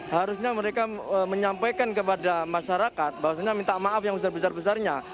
harusnya mereka menyampaikan kepada masyarakat bahwasannya minta maaf yang besar besarnya